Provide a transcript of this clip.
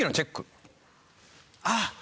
あっ。